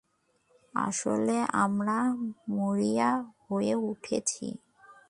আসলে, আমরা মরিয়া হয়ে উঠেছি।